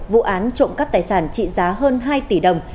vụ án trộm cắp tài sản trị giá hơn hai tỷ đồng